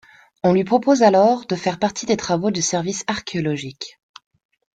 On lui propose alors de faire partie des travaux du Service archéologique.